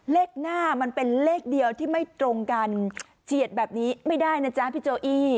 เลขหน้ามันเป็นเลขเดียวที่ไม่ตรงกันเฉียดแบบนี้ไม่ได้นะจ๊ะพี่โจอี้